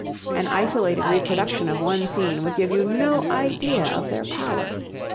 An isolated reproduction of one scene would give you no idea of their power.